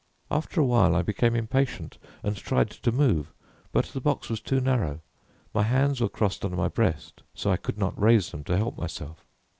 After a while I became impatient and tried to move, but the box was too narrow. My hands were crossed on my breast, so I could not raise them to help myself.